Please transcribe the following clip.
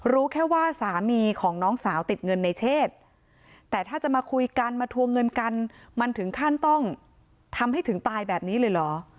รู้แค่ว่าสามีของน้องสาวติดเงินในเชศแต่ถ้าจะมาคุยกันมาทวงเงินกันมันถึงขั้นต้องทำให้ถึงตายแบบนี้เลยเหรอ